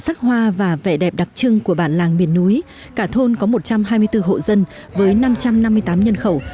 sắc hoa và vẻ đẹp đặc trưng của bản làng miền núi cả thôn có một trăm hai mươi bốn hộ dân với năm trăm năm mươi tám nhân khẩu